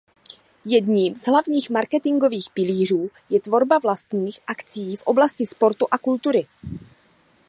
Jedním z hlavních marketingových pilířů je tvorba vlastních akcí v oblasti sportu a kultury.